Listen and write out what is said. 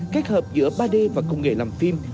kết hợp giữa ba d và công nghệ làm phim